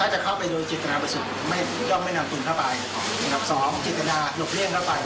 ถ้าจะเข้าไปโดยจิตราประสุทธิ์ย่อมไม่นำปืนเข้าไป